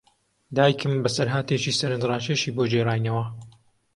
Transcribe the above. دایکم بەسەرهاتێکی سەرنجڕاکێشی بۆ گێڕاینەوە.